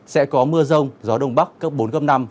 sẽ có mưa rông gió đông bắc cấp bốn cấp năm